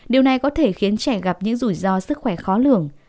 điều này có thể khiến trẻ gặp những rủi ro sức khỏe khó lường